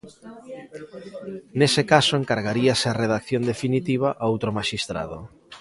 Nese caso encargaríase a redacción definitiva a outro maxistrado.